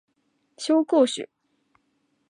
紹興酒